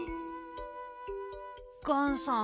ガンさん。